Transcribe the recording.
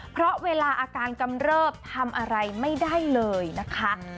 เพราะเวลาอาการกำเริบทำอะไรไม่ได้เลยนะคะ